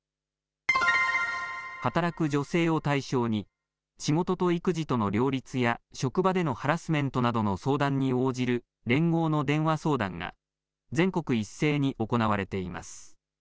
働く女性を対象に仕事と育児との両立や職場でのハラスメントなどの相談に応じる連合の電話相談が全国一斉に行われています。